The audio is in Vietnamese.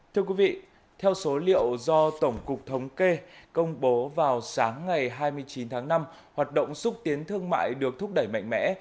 thưa quý vị theo số liệu do tổng cục thống kê công bố vào sáng ngày hai mươi chín tháng năm hoạt động xúc tiến thương mại được thúc đẩy mạnh mẽ